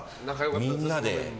みんなで。